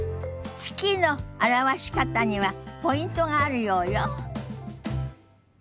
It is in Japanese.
「月」の表し方にはポイントがあるようよ。